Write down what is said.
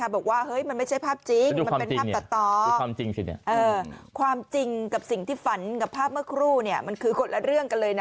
เพราะว่าแล้วกลุมันคือคนละเรื่องกันเลยนะ